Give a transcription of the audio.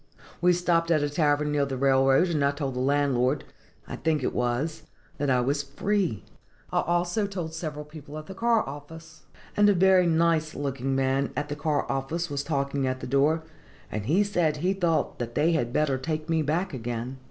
"We stopped at a tavern near the railroad, and I told the landlord (I think it was) that I was free. I also told several persons at the car office; and a very nice looking man at the car office was talking at the door, and he said he thought that they had better take me back again.